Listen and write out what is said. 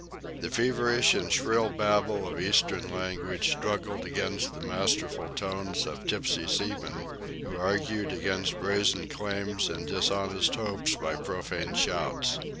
The feverish and shrill babble of Eastern language struggled against the masterful tones of tipsy seamen, who argued against brazen claims and dishonest hopes by profane shouts.